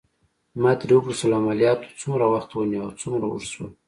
ما ترې وپوښتل: عملياتو څومره وخت ونیو او څومره اوږد شول؟